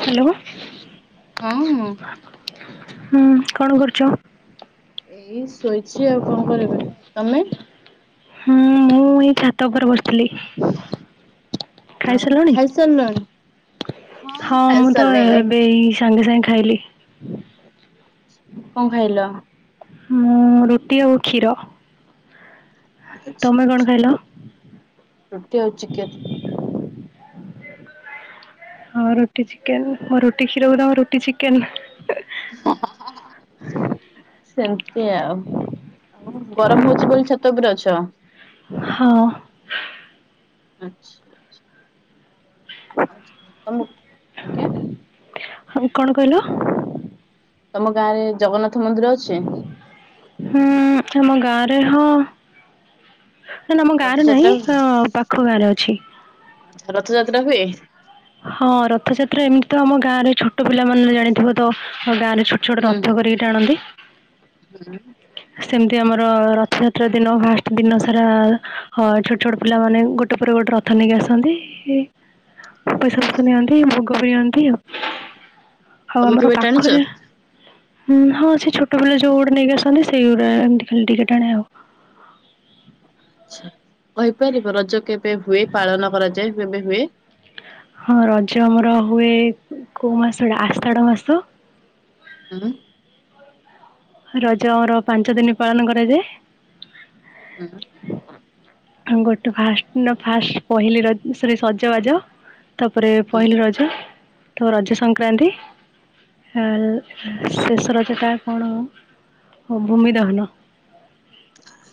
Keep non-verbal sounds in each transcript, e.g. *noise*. Hello ହଁ । ହୁଁ କଣ କରୁଛ? ଏଇ ଶୋଇଛି ଆଉ କଣ କରିବି, ତମେ? ହୁଁ ମୁଁ ଏଇ ଛାତ ଉପରେ ବସିଥିଲି। ଆଉ ଖାଇସାରିଲଣି ଖାଇସାରିଲଣି? ହଁ, ମୁଁ ତ ଏବେ ସାଙ୍ଗେ ସାଙ୍ଗେ ଖାଇଲି। କଣ ଖାଇଲ? ମୁଁ ରୁଟି ଆଉ କ୍ଷୀର। ଆଚ୍ଛା ତମେ କଣ ଖାଇଲ? ରୁଟି ଆଉ ଚିକେନ। ହଁ, ରୁଟି ଚିକେନ ମୁଁ ରୁଟି କ୍ଷୀରକୁ ତମେ ରୁଟି ଚିକେନ। ସେମିତି ଆଉ। ଆଉ ଗରମ ହଉଛି ବୋଲି ଛାତ ଉପରେ ଅଛ? ଓହ। ଆଚ୍ଛା ଆଚ୍ଛା। ଆଚ୍ଛା, ତମକୁ ଆଜ୍ଞା? ଆଉ କଣ କହିଲ? ତମ ଗାଁ ରେ ଜଗନ୍ନାଥ ମନ୍ଦିର ଅଛି? ହୁଁ ଆମ ଗାଁରେ ହଁ। ନା ଆମ ଗାଁରେ ନାହିଁ ରଥଯାତ୍ରା ହୁଏ? ପାଖ ଗାଁରେ ଅଛି। ରଥଯାତ୍ରା ହୁଏ? ହଁ ରଥଯାତ୍ରା ଏମିତି ତ ଆମ ଗାଁରେ ଛୋଟ ପିଲାମାନେ ଜାଣିଥିବ ତ ଗାଁରେ ଛୋଟ ଛୋଟ ହୁଁ ରଥ କରିକି ଟାଣନ୍ତି। ହୁଁ। ସେମିତି ଆମର ରଥଯାତ୍ରା ଦିନ ଫାଷ୍ଟ ଦିନ ସାରା ଛୋଟ ଛୋଟ ପିଲାମାନେ ଗୋଟେ ପରେ ଗୋଟେ ରଥ ନେଇକି ଆସନ୍ତି। *inaudible* ପଇସାପତ୍ର ନିଅନ୍ତି ଭୋଗ ବି ନିଅନ୍ତି ଆଉ। ଆଉ ତମେ ଆମର କେବେ ଟାଣିଛ? ପାଖରେ ହୁଁ ହଁ ସେ ଛୋଟ ପିଲା ଯୋଉ ଗୁଡା ନେଇକି ଆସନ୍ତି ସେଇଗୁଡା ଏମତି ଖାଲି ଟିକେ ଟାଣେ ଆଉ। ଆଛା କହିପାରିବ ରଜ କେବେ ହୁଏ? ପାଳନ କରାଯାଏ କେବେ ହୁଏ? ହଁ ରଜ ଆମର ହୁଏ କୋଉ ମାସଟା ଆଷାଢ ମାସ ହଁ ରଜ ଆମର ପାଞ୍ଚ ଦିନ ପାଳନ କରାଯାଏ। ହୁ। ଆ ଗୋଟେ ଫା ଫାଷ୍ଟ ପହିଲି ର ସରି ସଜବାଜ। ତାପରେ ହୁଁ। ପହିଲି ରଜ ତା ରଜ ସଂକ୍ରାନ୍ତି। ଆ ଶେଷ ରଜ ଟା କଣ? ଓ ଭୂମି ଦହନ।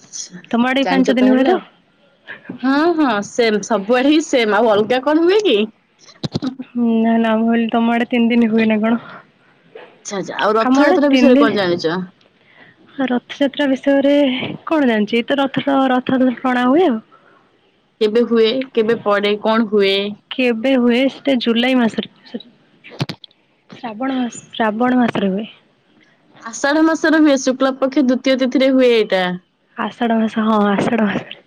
ଆଛା ତମ ଆଡେ ଏଇ ପାଞ୍ଚ ଜାଣିଛ ତା ଦିନ ହୁଏ ତ? ହେଲେ ଆଉ। ହଁ ହଁ ସେମ ସବୁବେଳେ ହିଁ ସେମ ଆଉ ଅଲଗା କଣ ହୁଏ କି? ହଁ ନା ନାଁ ମୁ ଭାବିଲି ତମଆଡେ ତିନ ଦିନି ହୁଏନା କଣ? ଆଛା ଆଚ୍ଛା ଆଉ ଆମ ଆଡେ ରଥଯାତ୍ରା ତିନି ବିଷୟରେ ଦିନ। କଣ ଜାଣିଛ? ରଥଯାତ୍ରା ବିଷୟରେ କଣ ଜାଣିଛି ତ ରଥର ରଥଟଣା ହୁଏ। କେବେ ହୁଏ କେବେ ପଡ଼େ କଣ ହୁଏ? ଏବେ ହୁଏ ସେଇଟା ଜୁଲାଇ ମାସରେ ଶ୍ରାବଣ ମାସ ଶ୍ରାବଣ ମାସରେ ହୁଏ। ଆଷାଢ ମାସରେ ହୁଏ। ଶୁକ୍ଲ ପକ୍ଷ ଦ୍ଵିତୀୟ ତିଥି ରେ ହୁଏ ଏଇଟା। ଆଷାଢ ମାସ ହଁ ଆଷାଢ ମାସ।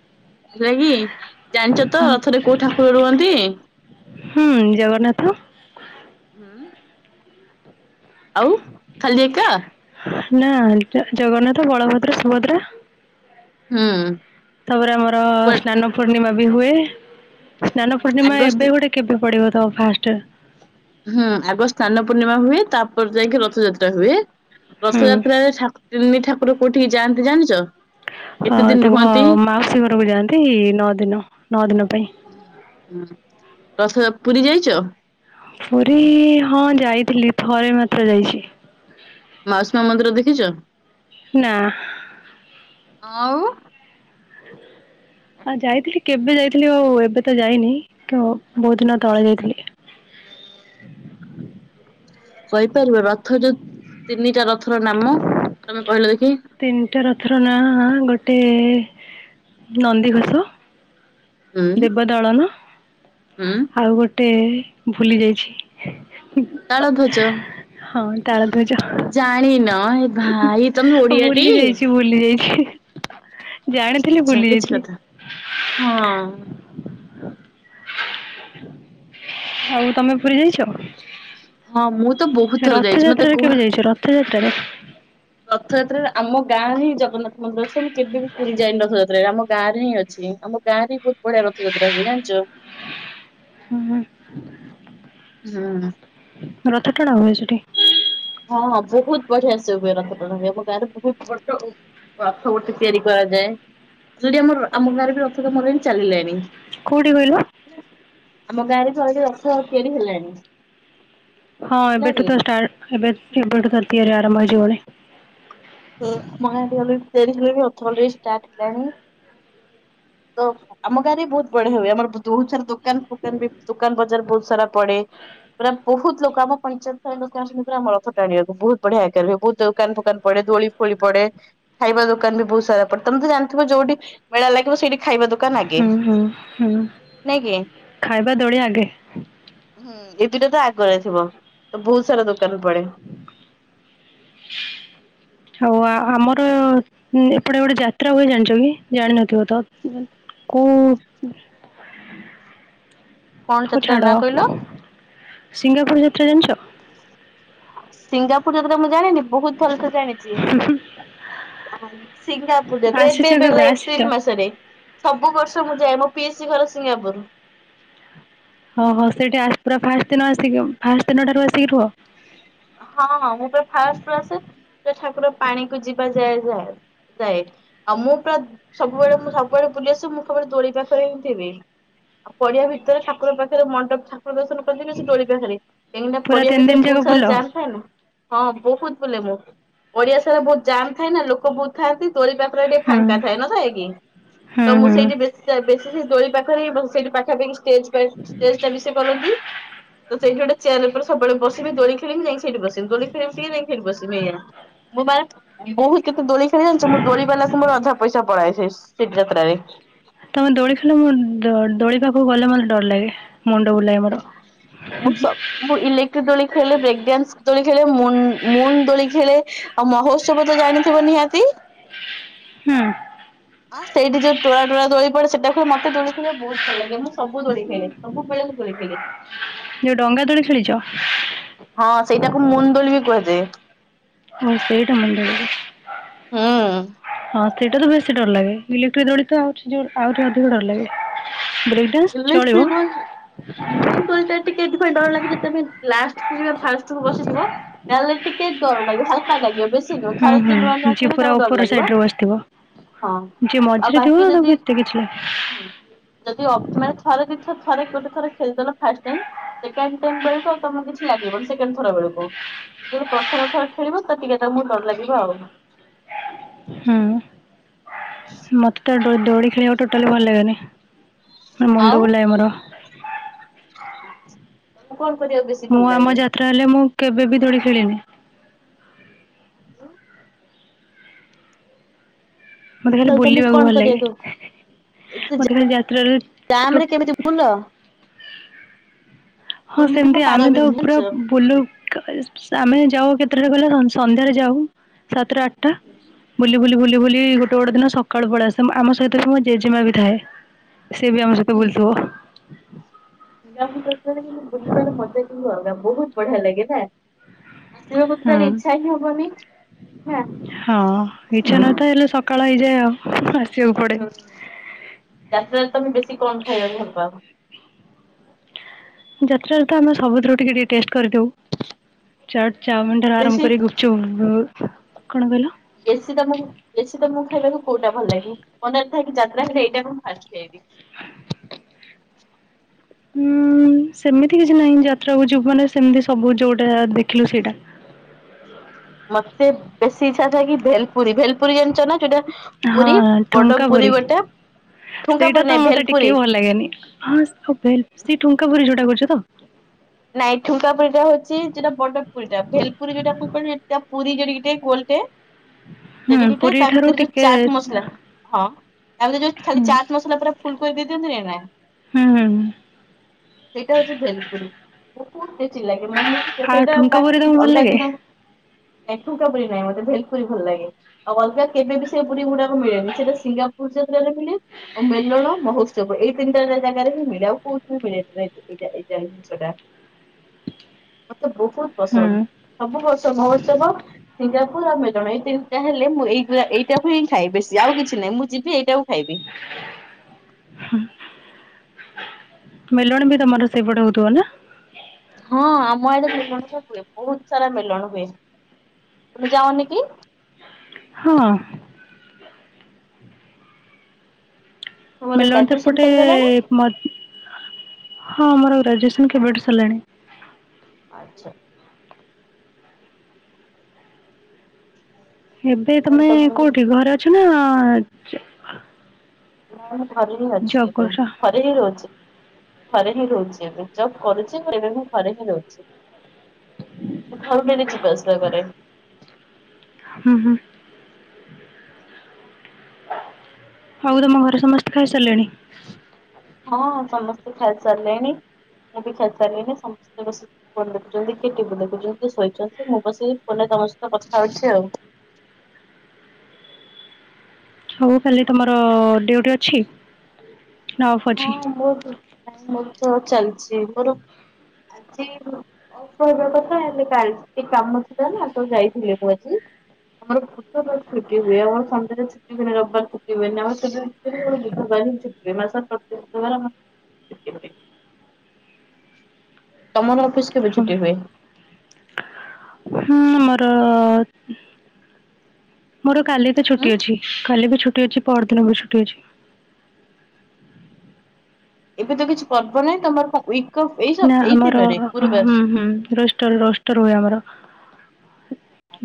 ହେଲା କି ଜାଣିଛ ତ ରଥରେ କୋଉ ଠାକୁର ରୁହନ୍ତି? ହୁଁ ଜଗନ୍ନାଥ ଆଉ ଖାଲି ଏକା? ନା ଜଗନ୍ନାଥ ବଳଭଦ୍ର ସୁଭଦ୍ରା ହୁଁ। ତାପରେ ଆମର କୁଆ ସ୍ନାନ ପୂର୍ଣ୍ଣିମା ବି ହୁଏ। ସ୍ନାନ ଆଗ ପୂର୍ଣ୍ଣିମା ଏବେ ଗୋଟେ କେବେ ପଡିବ ତ ଫାଷ୍ଟ? ହୁଁ ଆଗ ସ୍ନାନ ପୂର୍ଣ୍ଣିମା ହୁଏ। ତାପରେ ଯାଇକି ରଥଯାତ୍ରା ହୁଏ। ହୁଁ ରଥଯାତ୍ରାରେ ତିନି ଠାକୁର କୋଉଠିକି ଯାଆନ୍ତି ଜାଣିଛ? ହ କେତେ ଦିନ ତାଙ୍କ ରୁହନ୍ତି? ମାଉସୀ ଘରକୁ ଯାଆନ୍ତି ନଅ ଦିନ ନଅ ଦିନ ପାଇଁ ହୁଁ ରଥ ପୁରୀ ଯାଇଛ? ପୁରୀ ହଁ ଯାଇଥିଲି ଥରେ ମାତ୍ର ଯାଇଛି। ମାଉସି ମା ମନ୍ଦିର ଦେଖିଛ? ନା ଆଉ ଆଉ ଯାଇଥିଲି କେବେ ଯାଇଥିଲି ଆଉ ଏବେ ତ ଯାଇନି ବହୁତ ଦିନ ତଳେ ଯାଇଥିଲି। *inaudible* କହିପାରିବ ରଥ ଯୋଉ ତିନିଟା ରଥର ନାମ ତମେ କହିଲ? ଦେଖି ତିନିଟା ରଥର ନାଁ ଗୋଟେ ନନ୍ଦିଘୋଷ ହୁଁ ଦେବ ଦଳନ ହୁଁ ଆଉ ଗୋଟେ ଭୁଲି ଯାଇଛି। ତାଳ ହଁ ଧ୍ୱଜ ତାଳଧ୍ୱଜ ଜାଣିନ ଏ ଭାଇ ତମେ ଆଉ ଓଡିଆଟି ଭୁଲି ଯାଇଛି ଭୁଲି ଯାଇଛି ଆଚ୍ଛା ଜାଣିଥିଲି ଆଚ୍ଛା ଭୁଲି କିଛି ଯାଇଛି। କଥା ହଁ ଆଉ ତମେ ପୁରୀ ଯାଇଛ? ହଁ ମୁଁ ତ ବହୁତ ଥର ଯାଇଛି ମତେ ରଥଯାତ୍ରାରେ କୁହ କେବେ ଯାଇଛ ରଥଯାତ୍ରାରେ? ରଥଯାତ୍ରାରେ ଆମ ଗାଁ ହିଁ ଜଗନ୍ନାଥ ମନ୍ଦିର ଅଛି ମୁଁ କେବେ ବି ପୁରୀ ଯାଇନି ରଥଯାତ୍ରାରେ ଆମ ଗାଁ ରେ ହିଁ ଅଛି। ଛି ଆମ ଗାଁରେ ବି ବହୁତ୍ ବଢିଆ ରଥଯାତ୍ରା ହୁଏ ଜାଣିଛ। ହଁ ହୁଁ ରଥ ଟାଣା ହୁଏ ସେଠି? ହଁ, ହଁ ବହୁତ ବଢିଆ ସେ *unintelligible* ଉଭ ରଖ ଆମ ଗାରେ ବହୁ ରଥ ଗୋଟେ ତିଆରି କରାଯାଏ, ଯଦି ଆମର ଆମ ଗାରେ ବି ରଥ କାମରେଣି ଚାଲିଲାଣି କୋଉଠି କହିଲ? *unintelligible* ଆମ ଗାଁ ରେ କେବେଠୁ ରଥ ତିଆରି ହେଲାଣି । ହଁ ଏବେଠୁ ତ, ଏବେ, ଏବେଠୁ ତ ତିଆରି ଆରମ୍ଭ ହେଇଯିବଣି । ମ *unintelligible* ତିଆରି ହେଲେ ବି ଅଥରେ ଷ୍ଟାର୍ଟ ହେଲାଣି ତ ଆମ ଗାରେ ବି ବହୁତ ବଢିଆ ହଏ ଆମର ବହୁତ ସାରା ଦୋକାନ ଫୋକାନ ବି ଦୋକାନ ବଜାର ବହୁତ ସାରା ପଡେ ପୁରା ବହୁତ ଲୋକ, ଆମ ପଞ୍ଚାୟତ ସାରା ଲୋକ ଆସନ୍ତି ପୁରା ରଥ ଟାଣିବାକୁ, ବହୁତ ବଢିଆ ଆକାରରେ, ବହୁତ ଦୋକାନ ଫୋକାନ ପଡେ ଦୋଳି ଫୋଳି ପଡେ, ଖାଇବା ଦୋକାନ ବି ବହୁତ ସାରା ପଡେ, ତମେ ତ ଜାଣିଥିବ ଯୋଉଠି ମେଳା ଲାଗିବ ସେଇଠି ଖାଇବା ଦୋକାନ ନାଇଁ ହୁଁ ହୁଁ ହୁଁ କି? ଖାଇବା ଦୋଳି ଆଗେ ଏ ପିଟା ତ ଆଗରେ ଥିବ ତ ବହୁତ ସାରା ଦୋକାନ ପଡେ *unintelligible* ଆଉ ଆମର ଏପଟେ ଏପଟେ ଯାତ୍ରା ହୁଏ ଜାଣିଛ କି? ଜାଣିିନଥିବ ତ କୁ *inaudible* କଣ ଯାତ୍ରା ଛାଡ ନା କହିଲ? ସିଙ୍ଗାପୁର ଯାତ୍ରା ଜାଣିଛ? ସିଙ୍ଗାପୁର ଯତେବେଳେ ମୁଁ ଜାଣିନି ବହୁତ ଥଲ *unintelligible* ସେ ଜାଣିଛି । ସିଙ୍ଗାପୁର ଯାତରେ *unintelligible* ଆସିଛ କେବେ ବେବେେଳେ ଆସିଛ? ଏପ୍ରିିଲ୍ ମାସରେ ସବୁ ବର୍ଷ ମୁଁ ଯାଏ ମୋ ପିଇସି ଘର ସିଙ୍ଗାପୁର। ଅ ହୋ ସେଇଠି ଆ ପୁରା ଫାଷ୍ଟ ଦିନ ଆସିକି ଫାଷ୍ଟ ଦିନଠାରୁ ଆସିକି ରୁହ? ହଁ ହଁ ମୁଁ ପୁରା ଫାଷ୍ଟ ରୁ ଆସେ ଠାକୁର ପାଣି କୁ ଯିବା ଯାଏ ଯାଏ। ଯାଏ ଆଉ ମୁଁ ପୁରା ସବୁବେଳେ ମୁଁ ସବୁବେଳେ ବୁଲି ଆସିବି ମୁଁ କେବଳ ଦୋଳି ପାଖରେ ହିଁ ଥିବି। ଆଉ ପଡିଆ ଭିତରେ ଠାକୁର ପାଖରେ ମଣ୍ଡପ ଥା ଠାକୁର ଦର୍ଶନ କରି ଆସିକି ଦୋଳି ପାଖରେ କାହିଁକିନା ପୁରା ପଡିଆ ତିନି ଭିତରେ ଦିନ ଯାକ ବହୁତ ସାରା ବୁଲ। ଜାମ୍ ଥାଏ ନା। ହଁ ବହୁତ ବୋଲେ ମୁଁ ପଡିଆ ସାରା ବହୁତ ଯାଆ ଥାଏ ନା ଲୋକ ବହୁତ ଥାଆନ୍ତି। ଦୋଳି ଟା ପ୍ରାୟ ଟିକେ ହୁଁ ଫାଙ୍କା ଥାଏ ନଥାଏ କି ତ ହୁଁ ମୁଁ ହୁଁ ସେଇଠି ବେ ସେ ଦୋଳି ପାଖରେ ସେଇଠି ପାଖାପାଖି ଷ୍ଟେଜ ଷ୍ଟେଜ ଟା ବି ସେ କରନ୍ତି। ତ ସେଇଠି ଗୋଟେ ଚେୟାର ଉପରେ ସବୁବେଳେ ବସିବି ଦୋଳି ଖେଳିବି ଯାଇଁ ସେଇଠି ବସିବି ଦୋଳି ଖେଳିପି ଯାଇ ସେଇଠି ବସିବି ଏଇଆ। ମୁଁ ମାନେ ବହୁତ ଦୋଳି ଖେଳି ଜଣିଛ ମୁଁ ଦୋଳି ବାଲାକୁ ମୋର ଅଧା ପଇସା ପଳାଏ ସେ ଶୀଟ ଯାତ୍ରରେ। ତମେ ଦୋଳି ଲ ମୁଁ ଦୋ ଦୋଳିି ପାଖକୁ ଗଲେ ମତେ ଡର ଲାଗେ। ମୁଣ୍ଡ ବୁଲାଏ ମୋର। ମୁଁ ସବ୍ ମୁଁ ଇଲେକ୍ଟ୍ର ଦୋଳି ଖେଳିଲେ ବ୍ରେକ୍ ଡ୍ୟାନ୍ସ ଦୋଳି ଖେଳେ ମୁଁ ମୁନ ଦୋଳି ଖେଳେ। ଆଉ ମହୋତ୍ସବ ତ ଜାଣିଥିବ ନିହାତି? ହୁଁ। ହ ସେଇଠି ଯଉ ଟୁଆ ଟୁଆ ଦୋଳି ପଡେ ସେଡାକୁ ମତେ ଦୋଳି ଖେଳିବାକୁ ବହୁତ ଭଲ ଲାଗ ମୁଁ ସବୁ ଦୋଳି ଖେଳେ ସବୁବେଳେ ଶୋଇଥିଲି ଯୋଉ ଡଙ୍ଗା ଦୋଳି ଖେଳିଛ। ହଁ ସେଇଟାକୁ ମୁଣ୍ଡଳି ବି କୁହାଯାଏ। ହଁ ସେଇଟା ମୁଣ୍ଡ *inaudible* ହୁଁ। ହଁ ସେଇଟା ତ ବେଶୀ ଡର ଲାଗେ ଇଲେକ୍ଟ୍ରିକ ଦୋଳି ତ ଆହୁରି ଜୋର ଆହୁରି ଅଧିକ ଡର ଲାଗେ। ବ୍ରେକ୍ ଡ୍ୟାନ୍ସ ଚଳିବ ଇଲେଟ୍ରିଦୋଳି ମୁଁ ଯେତେବେଳେ ଟିକେ ଏଥି ପାଇ ଡର ଯେତେ ପାଇଁ ଲଗେ କି ଲାଷ୍ଟ *unintelligible* ଫାର୍ଷ୍ଟ କୁ ବସିଥିବ ତାହେଲେ ଟିକେ ଗରମ ଲାଗିବ ହାଲକା ଲାଗିବ ବେଶୀ ନୁହେଁ ହୁଁ ଥରେ ଯିଏ ନୂଆ ହୁଁ ନୂଆ ଖେଳୁ ପୁରା ଉପର ସାଇଡରେ ବସିଥିବ। ଯେ ଆଉ ମଝିରେ ଥିବ ବାକି ନା ଯଦି ତାକୁ ଏତେ କିଛି ଯଦି ଅ ମାନେ ଥରେ ଦିଥର ଥରେ ଗୋଟେ ଥର ଖେଳିଦେଲ ଫାଷ୍ଟ ଟାଇମ୍ ସେକେଣ୍ଡ ଟାଇମ୍ ବେଳକୁ ଆଉ ତମକୁ କିଛି ଲାଗିବନି। ଖରାବେଳକୁ ଯଦି ପ୍ରଥମ ଥର ଖେଳିବ ତ ଟିକେ ତାକୁ ଡର ଲାଗିବ ଆଉ। ହୁଁ ମତେ ତ ଦୌଡି ଖେଳିବାକୁ ଟୋଟାଲି ଭଲ ଲାଗେନି। ଆଉ ମୁଣ୍ଡ ବୁଲାଏ ମୋର। ତମକୁ କଣ କରିବାକୁ ବେଶୀ ମୁଁ ଭଲ ଆମ ଲାଗେ? ଯାତ୍ରା ହେଲେ ମୁଁ କେବେ ବି ଦୋଳି ଖେଳିନି। ମତେ ଖାଲି ତାହେଲେ ତମକୁ ବୁଲିବାକୁ କଣ ଭଲ ଲାଗେ। କରିବାକୁ ଏତେ ମୋତେ ଖଲି ଯାତ୍ରାରେ ଜାମ୍ ରେ କେମିତି ବୁଲ? ହଁ ବୁଲିକି ମୋ ସେମତି ପାଦ ଆମେ ତ ବିନ୍ଧେ ପୁରା ଜାଣିଚ। ବୁଲୁ କ ଇପ୍ସ ଆମେ ଯାଉ କେତେଟାରେ କହିଲ? ସନ୍ଧ୍ୟାରେ ଯାଉ ସାତଟା ଆଠଟା ବୁଲି ବୁଲି ବୁଲି ବୁଲି ଗୋଟେ ଗୋଟେ ଦିନ ସକାଳୁ ପଳା ଆସୁ। ତମ ଆମ ସହିତ ମୋ ଜେଜେମା ବି ଥାଏ। ସେ ବି ଆମ ସହିତ ବୁଲୁଥିବ। *unintelligible* ବୁଲିବାରେ ମଜା କିନ୍ତୁ ଅଲଗା ବହୁତ ବଢିଆ ଲାଗେ ନା। ଆସିବାକୁ ତ ତାହେଲେ ଇଚ୍ଛା ହିଁ ହବନି। ନା। ହଁ ଇଚ୍ଛା ନଥାଏ ହେଲେ ସକାଳ ହେଇଯାଏ ଆଉ। ଆସିବାକୁ ପଡେ ହୁଁ ଯାତାରେ ତମେ ବେଶି କନ ଖାଇବାକୁ ଭଲ ପାଅ? ଯାତ୍ରାରେ ତ ଆମେ ସବୁଥିରୁ ଟିକେ ଟିକେ ଟେଷ୍ଟ କରିଦଉ ଚାଟ ଚାଓମିନ ଠାରୁ ଆରମ୍ ବେଶୀ କରିକ ଗୁପଚୁ କଣ କହିଲ? ବେଶୀ ତମକୁ ବେଶୀ ତମକୁ ଖାଇବାକୁ କୋଉଟା ଭଲ ଲାଗେ? ମନେ ଯାତ୍ରା ହେଲେ ମୁ ଏଇଟା ମୁ ଫାଷ୍ଟ ଖାଇବି। ହୁଁ। ସେମିତି କିଛି ନାହିଁ ଯାତ୍ରାକୁ ଯିବୁ ମାନେ ସେମିତି ସବୁ ଯୋଉଟା ଦେଖିଲୁ ସେଇଟା ମତେ ବେଶୀ ଇଚ୍ଛା ଥାଏ। କି ଭେଲପୁରୀ ଭେଲପୁରୀ ଜଣିଛ ନା? ଯୋଉଟା ହଁ ପୁରୀ ବଡ ପୁରୀ ଠୁମକାପୁରି ଗୋଟେ ଠୁଙ୍କା ସେଇଟା ପୁରୀ ତ ନାଇଁ ମତେ ଟିକେ ଭେଲପୁରୀ। ଭଲ ଲାଗେନି। ହଁ ସେ ଭେଲ୍ ସେ ଠୁଙ୍କା ପରି ଯୋଉଟା କରୁଛ ତ ନାଇଁ ଠୁଙ୍କା ପୁରୀ ଟା ହଉଛି ଯୋଟା ବଟ ପୁରୀ ଟା ଭେଲ ପୁରୀ ଯୋଉଟା କଣ କହ ପୁରୀ ଯୋ ଟେ ଗୋଲଟେ ହୁଁ ସେଟି ଗଟେ ପୁରୀ ତା ଠାରୁ ଭିତରେ ଯୋଉ ଟିକେ ଚାଟ ମସଲା ହଁ। ଆମେ ଯୋଉ ଖାଲି ହୁଁ ଚାଟ ମସଲା ପୁରା ଫୁଲ କରି ଦେଇ ଦିଅନ୍ତିନି ନା ହୁଁ ହୁଁ ସେଇଟା ହଉଛି ଭେଲପୁରୀ। ଚି ଲାଗେଁ ଆଉ ସେଇଟା ଠୁଙ୍କା ପୁରୀ ବାକି ତମକୁ ଭଲ ଅଲଗା ଲାଗେ? ଦିନ ଠୁଙ୍କା ପୁରି ନାଇଁ ମତେ ଭେଲପୁରୀ ଭଲ ଲାଗେ ଆଉ ଅଲଗା କେବେ ବି ସେ ପୁରି ଗୁଡ଼ା ମିଳେନି ସେଟା ସିଙ୍ଗା କ ଯାତ୍ରାରେ ମିଳେ ଆଉ ମେଲଣ ମହୋତ୍ସବ ଏଇ ତିନିଟା ଜାଗାରେ ହି ମିଳେ ଆଉ କୋଉଠି ବି ମିଳେ ଏଇଯାଏ ଦିନସଟା ତ ବହୁତ ହୁଁ ପସନ୍ଦ ସବୁ ବର୍ଷ ମହୋତ୍ସବ ସିଙ୍ଗା ହଁ ମେ ଜଣେଇ ଏଇ ତିନିଟା ହେଲେ ମୁଁ ଏଇ ଏଇଟାକୁ ହିଁ ଖାଏ ବେଶୀ ଆଉ କିଛି ନାହିଁ ମୁଁ ଯିବି ଏଇଟାଉ ଖାଇବି ମେଲଣ ବି ତମର ସେଇପଟେ ହଉଥିବ ନା? ହଁ ଆମ ଆଡେ ମେଲଣ ସବୁ ହୁଏ। ବହୁତ ସାରା ମେଲଣ ହୁଏ। ତୁମେ ଯାଅ ନିକି? ହଁ ତମର ମେଲଣ ତ ଗ୍ରାଜୁଏସନ ଏପଟେ ସରିଗଲାଣି ମ ହଁ ମୋର ଗ୍ରାଜୁଏସନ କେବେଠୁ ସରିଲାଣି। ଆଚ୍ଛା। ଏବେ ତାହେଲେ ତମେ ତମକୁ କୋଉଠି ଘରେ ଅଛ ନା? ଘରେ ହିଁ ଅଛି ଜବ୍ କରୁଛ? ଘରେ ହିଁ ରହୁଛି ଘରେ ରହୁଛି ଏବେ ଜବ କରୁଛି ଏବେ ମୁଁ ଘରେ ହିଁ ରହୁଛି। ଘରୁ ଡେଲି ଯିବା ଆସିବା କରେ। ହୁଁ ହୁଁ ହଉ ତମ ଘରେ ସମସ୍ତେ ଖାଇସାରିଲେଣି? ହଁ ସମସ୍ତେ ଖାଇ ସାରିଲେଣି । ବି *unintelligible* ଖାଇସାରିଲିଣି, ସମସ୍ତେ ବସି ଫୋନ ଦେଖୁଛନ୍ତି, କିଏ ଟିଭି ଦେଖୁଛନ୍ତି, କିଏ ଶୋଇଛନ୍ତି, ମୁଁ ବସି ଫ ତମ ସହିତ କଥା ଅଛି ଆଉ ହଉ ଖାଲି ତମର ଡିଉଟି ଅଛି? ନା ଅଫ୍ ଅଛି? ହଁ ମର, ମୁ ତ ଚାଲିଛି ମୋର ଆଜି କହ *unintelligible* କଥା ହେଲେ କା କାମ ଥିଲା ନା ତ ଯାଇଥିଲି । କୁଛି *unintelligible* ଆମର ପତ *unintelligible* ଛୁଟି ହୁଏ, ଆମର ସନ୍ଧ୍ୟାରେ ଛୁଟି ହୁଏନି, ରବିବାର ଛୁଟି ହୁଏନି, ଆମ *unintelligible* ତମର ଅଫିସ କେଵେ ହଁ ଛୁଟି ହୁଏ? ମୋର, ମୋର କାଲି ତ ହୁଁ ଛୁଟି ଅଛି, କାଲି ବି ଛୁ ଛୁଟି ଅଛି, ପଅରିଦିନ ବି ଛୁଟି ଅଛି । ଏବେ ତ କିଛି ପର୍ବ ନାହିଁ, ତମର ଅଫ୍ ଏଇ ସପ୍ ନା ଏଇ ଆମର ଦିନରେ ହଁ ଗୁରୁବାର। ହୁଁଷ୍ଟର *unintelligible* ରୋଷ୍ଟର ହୁଏ ଆମର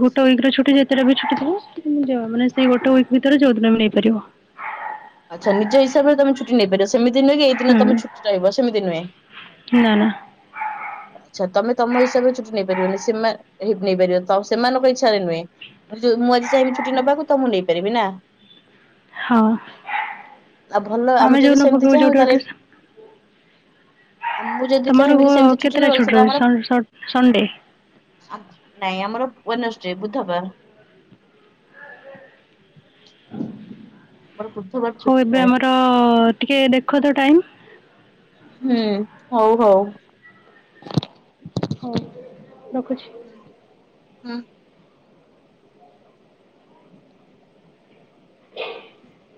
ଗୋଟେ ୱିକ ଛୁଟି ଯେତେଟ ବି ଛୁଟି ଥିବ *unintelligible* ମାନେ ସେଇ ଗୋଟେ ୱିକ ଭିତରେ ଯୋଉଦିନ ନେଇପାରିବ । ଆଚ୍ଛା, ନିଜ ହିସାବରେ ତମେ ଛୁଟି ନେଇପାରିବ । ସେମିତି ନୁହେଁ କି, ଏଇ ଦିନ ହୁଁ ତମେ ଛୁଟି ରହିବ, ସେମିତି ନୁହେଁ, ନା ନା ଆଛା ତମେ ତମ ହିସାବରେ ଛୁଟି ନେଇପାରିବନି, ସେମାନେ ନେଇପାରିବ, ସେମାନଙ୍କ ଇଚ୍ଛାରେ ନୁହେଁ ମୁଁ, ମୁଁ ଆଜି ଚାହିଁବି ଛୁଟି ନବାକୁ, ତ ମୁଁ ନେଇପାରିବି ନା ହଁ ଆଉ ଭଲ ଆମେ ଯଦି ଯୋଉ ନ ସେମିତି ପକେଇବୁ ଚାହିଁବୁ ତାହେଲେ ଯୋଉଟଠେ ଆ ମୁଁ *unintelligible* ଯଦି ଚାହିଁବି କି ତମରଅ ସେମିତି କେତେଟା ନେବାକୁ ଛୁଟି ସେଟା ରହୁଛି, ଆମର ସ ସ ସଣ୍ଡେ ନାଇଁ, ଆମର ୱେନସ ବୁଧବାର । ହଉ, ଛୁଟି ଏବେ ଥାଏ ଆମର ଟିକେ ଦେଖ ତ ଟାଇମ ହୁଁ, ହଉ ହଉ ହଉ ରଖୁଛି ହୁଁ ହୁଁ *inaudible*